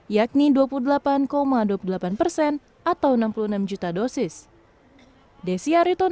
yakni dua puluh delapan dua puluh delapan persen atau enam puluh enam juta dosis